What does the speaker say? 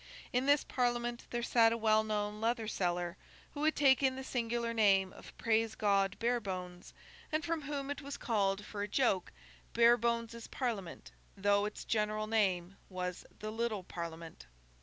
In this Parliament there sat a well known leather seller, who had taken the singular name of Praise God Barebones, and from whom it was called, for a joke, Barebones's Parliament, though its general name was the Little Parliament.